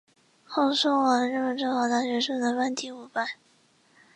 后送往日本法政大学速成科第五班。